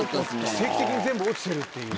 奇跡的に全部落ちてるっていう。